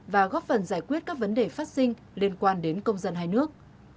và góp phần giải quyết các vấn đề phát sinh liên quan đến công dân hai nước